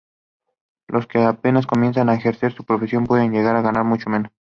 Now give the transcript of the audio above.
Los que apenas comienzan a ejercer su profesión pueden llegar a ganar mucho menos.